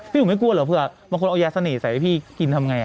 หนูไม่กลัวเหรอเผื่อบางคนเอายาเสน่ห์ใส่ให้พี่กินทำไง